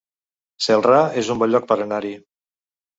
Celrà es un bon lloc per anar-hi